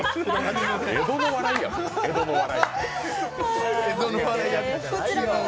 江戸の笑いや、もう。